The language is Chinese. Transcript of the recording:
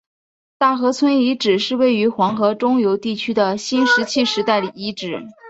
大河村遗址是位于黄河中游地区的新石器时代遗址。